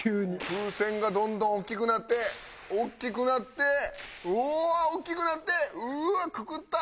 風船がどんどん大きくなって大きくなってうわー大きくなってうわーくくった。